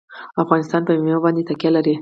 افغانستان په مېوې باندې تکیه لري.